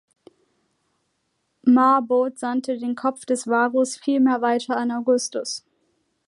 Marbod sandte den Kopf des Varus vielmehr weiter an Augustus.